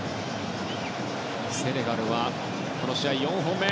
セネガル、この試合４本目。